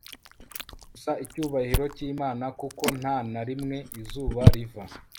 gusa icyubahiro cyimana, kuko nta na rimwe izuba riva